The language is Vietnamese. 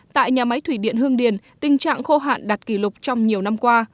tại nhà máy thủy điện hương điền tình trạng khô hạn đạt kỷ lục trong nhiều năm qua